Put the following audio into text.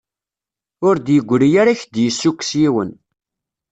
Ur d-yegri ara k-d-yessukkes yiwen.